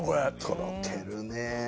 とろけるね。